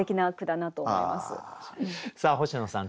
さあ星野さん